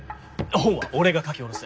本は俺が書き下ろす。